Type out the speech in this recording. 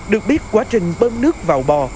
được biết quá trình bơm nước vào bò